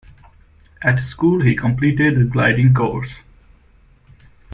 At school, he completed a gliding course.